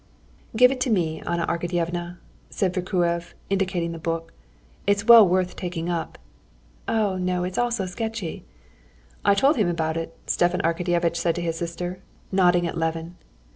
"Give it to me, Anna Arkadyevna," said Vorkuev, indicating the book. "It's well worth taking up." "Oh, no, it's all so sketchy." "I told him about it," Stepan Arkadyevitch said to his sister, nodding at Levin.